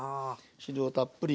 汁をたっぷり。